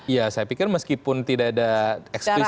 ya saya pikir meskipun tidak ada eksekusi